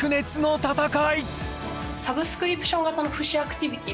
サブスクリプション型の父子アクティビティ。